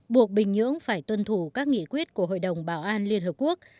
buộc bình nhưỡng phải tuân thủ các nghị quyết của hội đồng bảo an liên hợp quốc